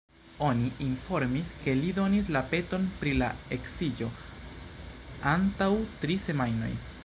Oni informis ke li donis la peton pri la eksiĝo antaŭ tri semajnoj.